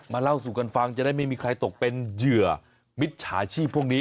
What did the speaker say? เล่าสู่กันฟังจะได้ไม่มีใครตกเป็นเหยื่อมิจฉาชีพพวกนี้